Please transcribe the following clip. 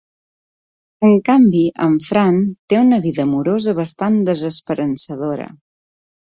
En canvi, en Fran té una vida amorosa bastant desesperançadora.